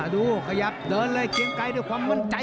ขยับเดินเลยเกียงไกรด้วยความมั่นใจ